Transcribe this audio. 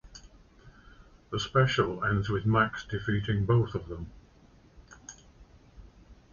The special ends with Max defeating both of them.